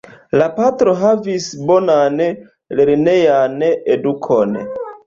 La patro havis bonan lernejan edukon.